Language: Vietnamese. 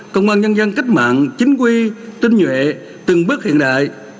công an nhân dân cách mạng chính quy tinh nhuệ từng bước hiện đại